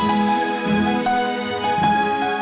gak mau mpok